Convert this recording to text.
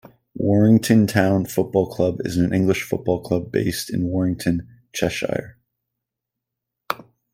Warrington Town Football Club is an English football club based in Warrington, Cheshire.